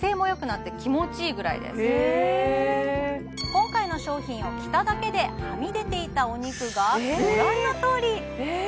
今回の商品を着ただけではみ出ていたお肉がご覧のとおりえ！？